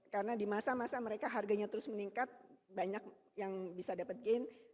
karena di masa masa mereka harganya terus meningkat banyak yang bisa dapat gain